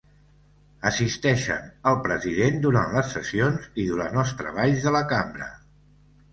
Assisteixen al President durant les sessions i durant els treballs de la cambra.